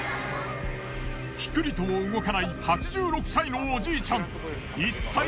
ピクリとも動かない８６歳のおじいちゃん。